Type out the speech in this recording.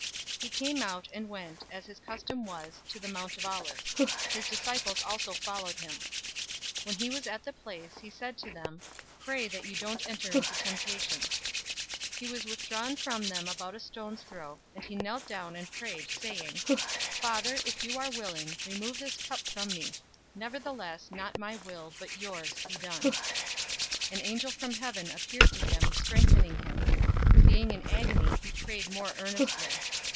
022:039 He came out, and went, as his custom was, to the Mount of Olives. His disciples also followed him. 022:040 When he was at the place, he said to them, "Pray that you don't enter into temptation." 022:041 He was withdrawn from them about a stone's throw, and he knelt down and prayed, 022:042 saying, "Father, if you are willing, remove this cup from me. Nevertheless, not my will, but yours, be done." 022:043 An angel from heaven appeared to him, strengthening him. 022:044 Being in agony he prayed more earnestly.